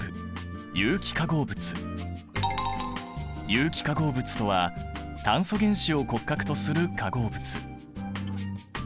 有機化合物とは炭素原子を骨格とする化合物。